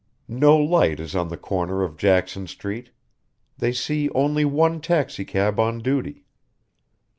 No light is on the corner of Jackson street. They see only one taxicab on duty.